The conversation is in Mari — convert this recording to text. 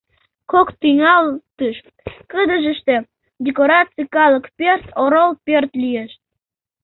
Кок тӱҥалтыш кыдежыште декораций — калык пӧрт, орол пӧрт лиеш.